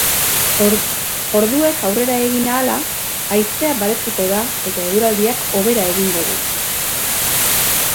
Orduek aurrera egin ahala, haizea baretuko da eta eguraldiak hobera egingo du.